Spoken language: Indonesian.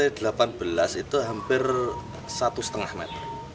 dari delapan belas itu hampir satu lima meter